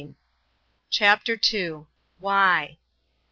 CHAPTER II. WHY?